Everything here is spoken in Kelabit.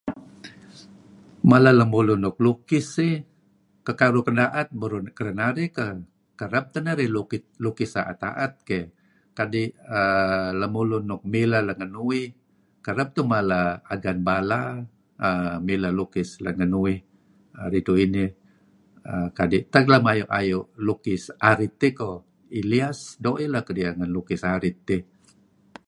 Mala lemulun nuk lukis iih, kenkaruh ken da'et iih burur kedenarih keyh kereb teh keduih lukis a'et-a'et keyh. Kadi' lemulun nuk mileh let let ngen uih kereb tuih mala Agan Bala mileh lukis let ngen uih ridtu' inih. Kadi' tak layu' layu' lukis arit iih ko' , Elias. Doo' ileh kedieh nega lukis arit iih.